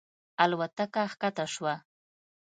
الوتکه کښته شوه.